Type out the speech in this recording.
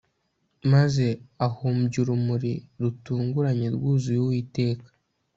maze ahumbya urumuri rutunguranye rwuzuye uwiteka